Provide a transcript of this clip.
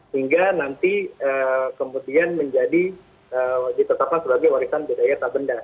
hingga nanti kemudian menjadi ditetapkan sebagai warisan budaya tabenda